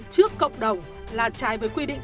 trước cộng đồng là trái với quy định